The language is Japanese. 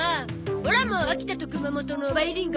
オラも秋田と熊本のバイリンガルだゾ。